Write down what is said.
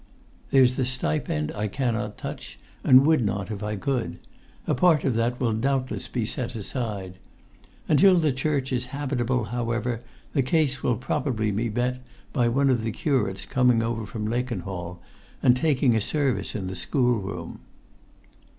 "There's the stipend I cannot touch and would not if I could; a part of that will doubtless be set aside. Until the church is habitable, however, the case will probably be met by one of the curates coming over from Lakenhall and taking a service in the schoolroom."